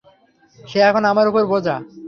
সে এখন আমার উপর বোঝা।